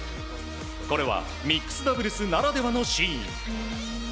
これはミックスダブルスならではのシーン。